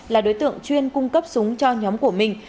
là đối tượng chuyên cung cấp súng cho nhóm của mình